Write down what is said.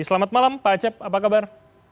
selamat malam pak acep apa kabar